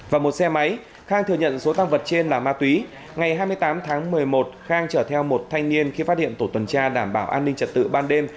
và một xe máy khang thừa nhận số tăng vật trên là ma túy ngày hai mươi tám tháng một mươi một khang chở theo một thanh niên khi phát hiện tổ tuần tra đảm bảo an ninh trật tự ban đêm